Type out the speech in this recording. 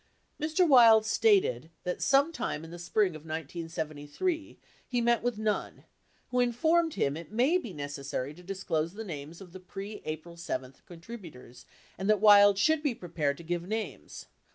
70 Mr. Wild stated that sometime in the spring of 1973, he met with Nunn, who informed him it may be necessary to disclose the names of the pre April 7 contributors and that Wild should be prepared to give names.